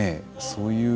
そういう。